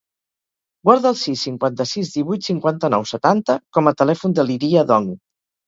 Guarda el sis, cinquanta-sis, divuit, cinquanta-nou, setanta com a telèfon de l'Iria Dong.